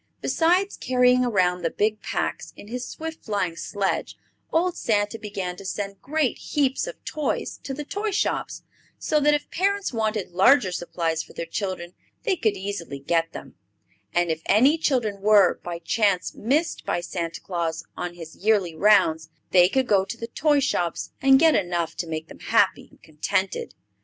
Besides carrying around the big packs in his swift flying sledge old Santa began to send great heaps of toys to the toy shops, so that if parents wanted larger supplies for their children they could easily get them; and if any children were, by chance, missed by Santa Claus on his yearly rounds, they could go to the toy shops and get enough to make them happy and contented.